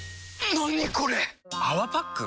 何これ⁉「泡パック」？